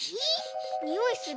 においする？